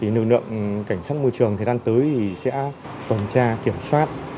lực lượng cảnh sát môi trường đang tới sẽ tuần tra kiểm soát